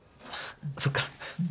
そっか。